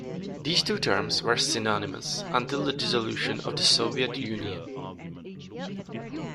These two terms were synonymous until the dissolution of the Soviet Union.